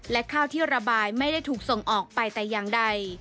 และข้าวที่ระบายไม่ได้ถูกส่งออกไปแต่อย่างใด